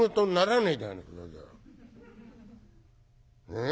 ねえ？